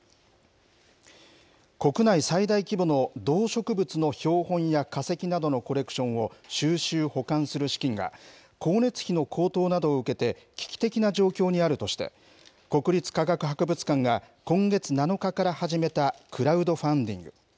国内最大規模の動植物の標本や化石などのコレクションを収集・保管する資金が、光熱費の高騰などを受けて、危機的な状況にあるとして、国立科学博物館が今月７日から始めたクラウドファンディング。